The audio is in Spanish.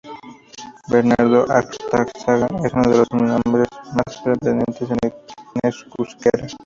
Bernardo Atxaga es uno de los nombres más preeminentes en euskera.